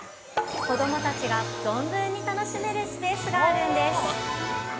子供たちが存分に楽しめるスペースがあるんです。